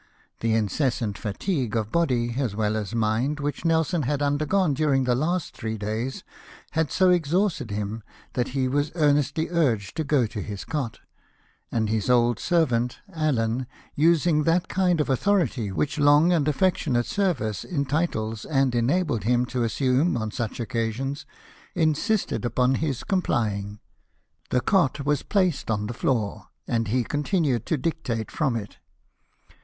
The incessant fatigue of body as well as mind which Nelson had undergone during the last three days had so exhausted him that he was earnestly urged to go to his cot ; and his old servant, Allen, using that kind of authority which long and affectionate services entitled and enabled him to assume on such occasions, insisted upon his complying. The cot was placed on the floor, and he continued to dictate from it.